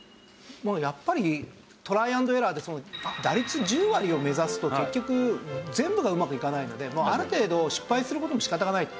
まあやっぱりトライアンドエラーで打率１０割を目指すと結局全部がうまくいかないのである程度失敗する事も仕方がないと。